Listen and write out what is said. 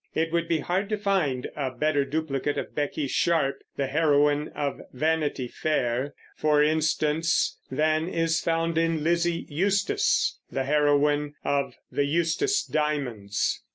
It would be hard to find a better duplicate of Becky Sharp, the heroine of Vanity Fair, for instance, than is found in Lizzie Eustace, the heroine of The Eustace Diamonds.